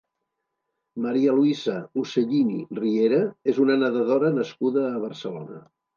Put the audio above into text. Maria Luisa Ucellini Riera és una nedadora nascuda a Barcelona.